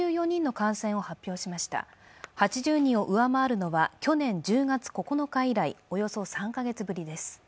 ８０人を上回るのは去年１０月９日以来およそ３カ月ぶりです。